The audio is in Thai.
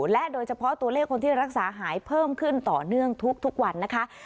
และโดยเฉพาะตัวเลขคนที่รักษาหายเพิ่มขึ้นต่อเนื่องทุกวันนะคะ